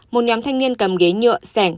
một nhóm thanh niên cầm ghế nhựa sẻng